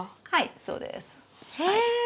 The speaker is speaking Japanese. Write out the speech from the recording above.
はいそうです。へえ！